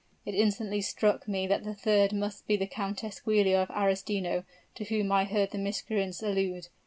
It instantly struck me that the third must be the Countess Giulia of Arestino to whom I heard the miscreants allude.